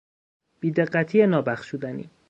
بیدقتی نابخشودنی